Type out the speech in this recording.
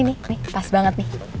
nih nih pas banget nih